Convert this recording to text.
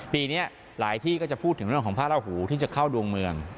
ปีนี้หลายที่ก็จะพูดถึงเรื่องของพระราหูที่จะเข้าดวงเมือง